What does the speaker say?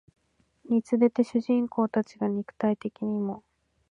につれて主人公たちが肉体的にも